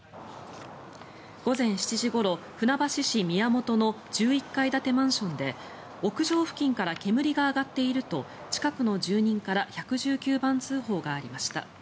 午前７時ごろ、船橋市宮本の１１階建てマンションで屋上付近から煙が上がっていると近くの住人から１１９番通報がありました。